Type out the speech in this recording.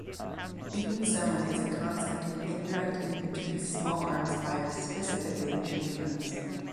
Beaten zone is a concept in indirect infantry small arms fire, specifically machine guns.